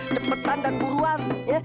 cepetan dan buruan ya